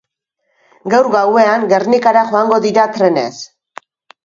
Gaur gauean Gernikara joango dira trenez.